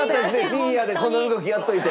フィギュアでこの動きやっておいて。